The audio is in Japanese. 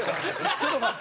ちょっと待って。